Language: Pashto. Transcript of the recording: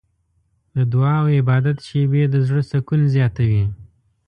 د دعا او عبادت شېبې د زړه سکون زیاتوي.